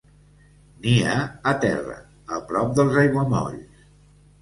Nia a terra, a prop dels aiguamolls.